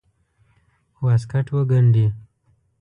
واسکټ وګنډي.